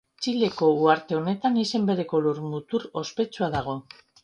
Txileko uharte honetan izen bereko lurmutur ospetsua dago.